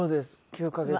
９カ月で。